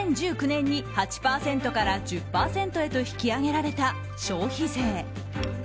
２０１９年に８％から１０％へと引き上げられた消費税。